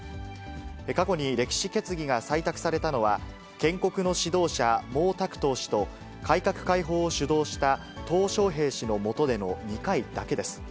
過去に歴史決議が採択されたのは、建国の指導者、毛沢東氏と改革開放を主導したトウ小平氏の下での２回だけです。